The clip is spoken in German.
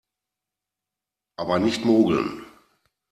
Aber nicht mogeln!